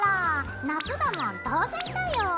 夏だもん当然だよ！